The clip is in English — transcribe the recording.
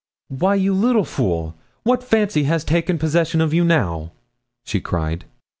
'Why, you little fool! what fancy has taken possession of you now?' she cried.